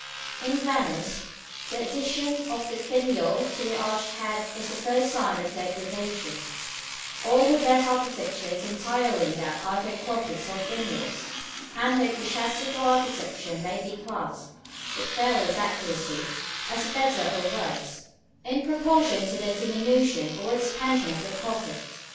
In Venice, the addition of the finial to the arch head is the first sign of degradation; all her best architecture is entirely without either crockets or finials; and her ecclesiastical architecture may be classed, with fearless accuracy, as better or worse, in proportion to the diminution or expansion of the crocket.